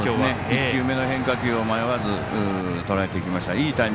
１球目の変化球を迷わず、とらえていきました。